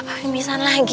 bapak pembisan lagi